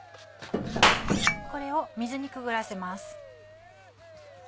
これを水にくぐらせます。